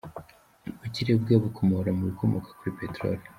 Ubukire bwe abukomora mu bikomoka kuri peteroli.